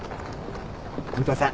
武藤さん